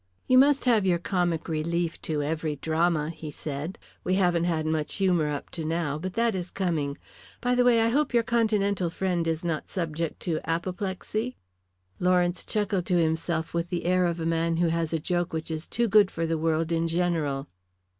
"You must have your comic relief to every drama," he said. "We haven't had much humour up to now, but that is coming. By the way, I hope your Continental friend is not subject to apoplexy?" Lawrence chuckled to himself with the air of a man who has a joke which is too good for the world in general.